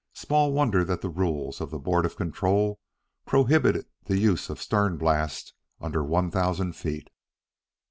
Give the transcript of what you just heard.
Small wonder that the rules of the Board of Control prohibit the use of the stern blast under one thousand feet.